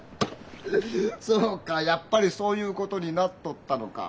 そうかやっぱりそういうことになっとったのか？